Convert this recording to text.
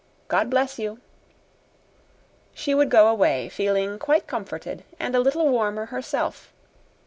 God bless you!" She would go away, feeling quite comforted and a little warmer herself.